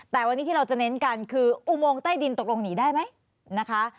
แต่วันนี้ที่เราจะเน้นกันคืออุโมงใต้ดินตกลงหนีได้ไหมนะคะ